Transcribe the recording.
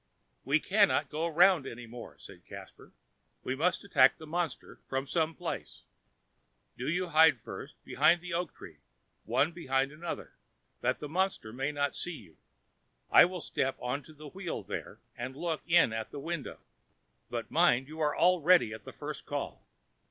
"We cannot go round any more," said Caspar, "we must attack the monster from some place. Do you hide first, behind the oak tree, one behind another, that the monster may not see you; I will step on to the wheel there, and look in at the window, but—mind you are all ready at the first call."